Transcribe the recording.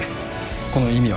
この意味は？